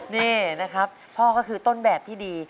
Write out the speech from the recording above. นี่นะครับพ่อก็คือต้นแบบที่ดี